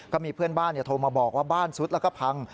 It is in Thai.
ก็มีเพื่อนบ้านโทรมาบอกว่าบ้านซุดแล้วก็พัง